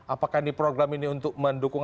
apakah ini program ini untuk mendukung